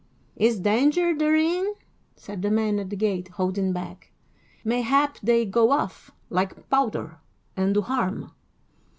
"Is danger therein?" said the man at the gate, holding back. "Mayhap they go off, like powder, and do harm."